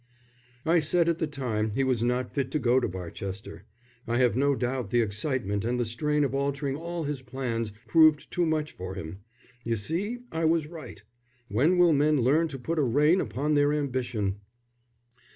"I said at the time he was not fit to go to Barchester. I have no doubt the excitement and the strain of altering all his plans proved too much for him. You see, I was right. When will men learn to put a rein upon their ambition?"